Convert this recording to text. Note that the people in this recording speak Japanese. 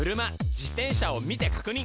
自転車を見て確認！